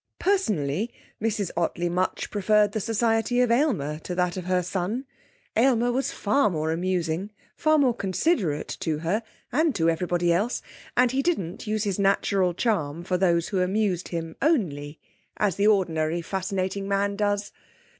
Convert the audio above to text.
Personally, Mrs Ottley much preferred the society of Aylmer to that of her son. Aylmer was far more amusing, far more considerate to her, and to everybody else, and he didn't use his natural charm for those who amused him only, as the ordinary fascinating man does.